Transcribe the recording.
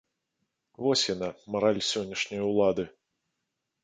Вось яна, мараль сённяшняй улады!